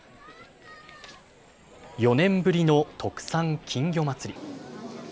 ４年ぶりの特産金魚まつり。